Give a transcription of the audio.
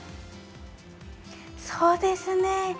そうですね。